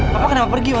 papa kenapa pergi pak